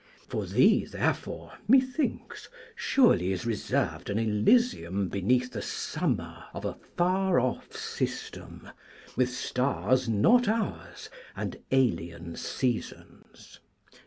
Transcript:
For thee, therefore, methinks, surely is reserved an Elysium beneath the summer of a far off system, with stars not ours and alien seasons.